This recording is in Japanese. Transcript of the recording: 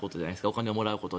お金をもらうこと。